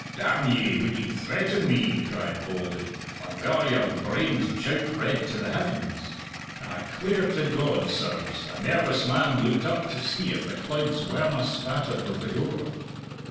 'Damn ye, would ye threaten me?' cried Bauldy. 'I'll gar your brains jaup red to the heavens!' And I 'clare to God, sirs, a nervous man looked up to see if the clouds werena spattered with the gore!"